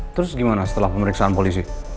terus gimana setelah pemeriksaan polisi